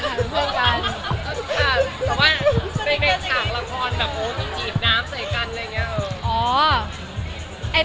ใช่ค่ะแต่ว่าในสถานการณ์แบบจีบน้ำใส่กันอะไรอย่างนี้